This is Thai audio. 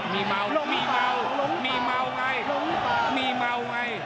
มีเมามีเมาไง